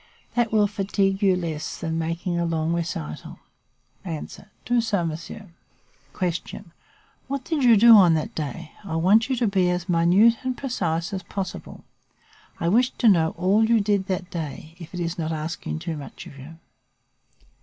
That will fatigue you less than making a long recital. "A. Do so, monsieur. "Q. What did you do on that day? I want you to be as minute and precise as possible. I wish to know all you did that day, if it is not asking too much of you.